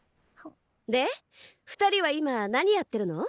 で２人は今何やってるの？